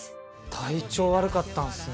体調悪かったんすね。